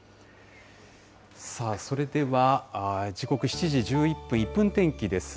さあ、それでは時刻７時１１分、１分天気です。